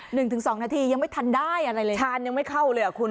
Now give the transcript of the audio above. หนึ่งถึงสองนาทียังไม่ทันได้อะไรเลยชาญยังไม่เข้าเลยอ่ะคุณ